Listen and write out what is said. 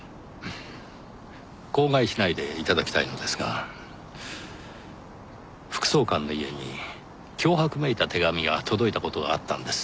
口外しないで頂きたいのですが副総監の家に脅迫めいた手紙が届いた事があったんです。